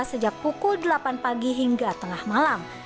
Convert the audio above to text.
sejak pukul delapan pagi hingga tengah malam